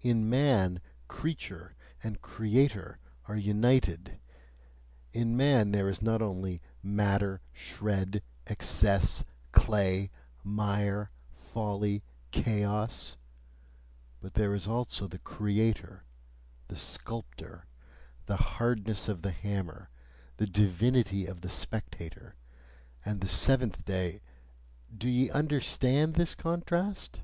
In man CREATURE and CREATOR are united: in man there is not only matter, shred, excess, clay, mire, folly, chaos; but there is also the creator, the sculptor, the hardness of the hammer, the divinity of the spectator, and the seventh day do ye understand this contrast?